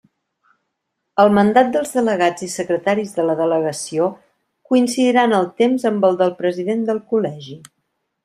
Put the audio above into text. El mandat dels delegats i secretaris de la delegació coincidirà en el temps amb el del president del Col·legi.